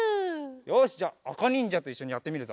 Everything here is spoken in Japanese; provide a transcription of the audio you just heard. よしじゃああかにんじゃといっしょにやってみるぞ。